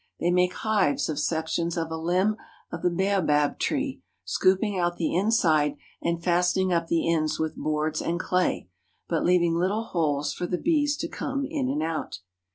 They make hives of sections of a limb of the baobab tree, scoop ing out the inside and fastening up the ends with boards and clay, but leaving little holes for the bees to come in and out.